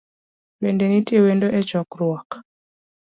Bende nitie wendo e chokruok?